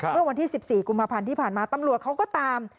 เมื่อวันที่๑๔กุมภาพันธ์ที่ผ่านมาตำรวจเขาก็ตาม